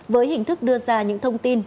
với hình thức đưa ra những thông tin